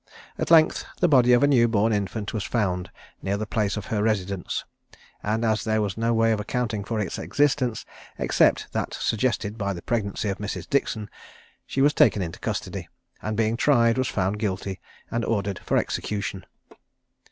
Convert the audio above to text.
At length the body of a newly born infant was found near the place of her residence, and as there was no way of accounting for its existence, except that suggested by the pregnancy of Mrs. Dixon, she was taken into custody, and being tried was found guilty and ordered for execution.